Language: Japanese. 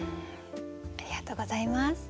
ありがとうございます。